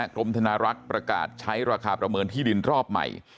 กรมธนารักษ์ประกาศใช้ราคาประเมินที่ดินรอบใหม่